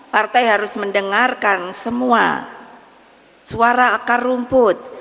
partai harus mendengarkan semua suara akar rumput